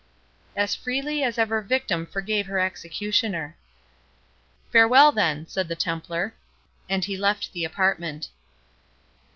"As freely as ever victim forgave her executioner." "Farewell, then," said the Templar, and left the apartment.